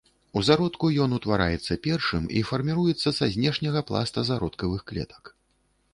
У зародку ён утвараецца першым і фарміруецца са знешняга пласта зародкавых клетак.